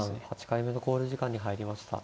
８回目の考慮時間に入りました。